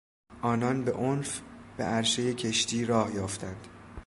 آنان به عنف به عرشه کشتی راه یافتند.